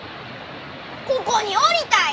ここにおりたい！